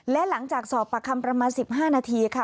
และหลังจากสอบปากคำประมาณ๑๕นาทีค่ะ